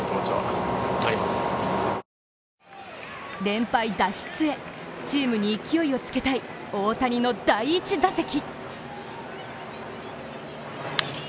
連敗脱出へ、チームに勢いをつけたい大谷の第１打席。